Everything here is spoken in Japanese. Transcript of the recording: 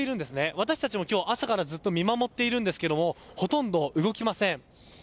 私たちも、朝からずっと見守っているんですがほとんど動きません。